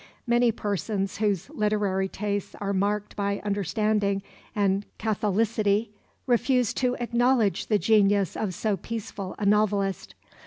Many persons whose literary tastes are marked by understanding and catholicity refuse to acknowledge the genius of so peaceful a novelist.